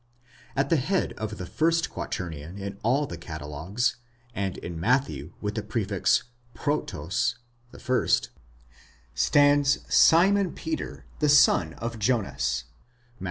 At the head of the first quaternion in all the catalogues, and in Matthew with the prefix πρῶτος (the first), stands Simon Peter, the son of Jonas (Matt.